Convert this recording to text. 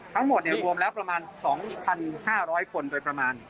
ทั้งหมดรวมแล้วประมาณ๒๕๐๐คนโดยประมาณ